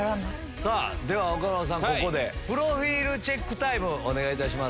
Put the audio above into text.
さあ、では岡村さん、ここでプロフィールチェックタイム、お願いいたします。